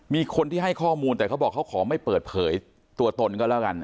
มีคนที่ให้ข้อมูลแต่เขาบอกเขาขอไม่เปิดเผยตัวตนก็แล้วกัน